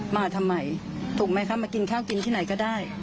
มาทำไมถูกไหมคะมากินข้าวกินที่ไหนก็ได้